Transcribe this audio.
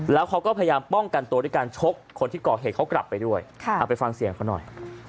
แล้วเขาก็พยายามป้องกันตัวด้วยการชกคนที่ก่อเหตุเขากลับไปด้วยเอาไปฟังเสียงเขาหน่อย